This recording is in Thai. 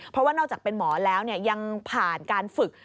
เพราะว่านอกจากเป็นหมอแล้วยังผ่านการฝึก